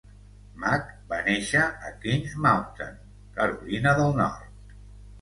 Mack va néixer a Kings Mountain (Carolina del Nord).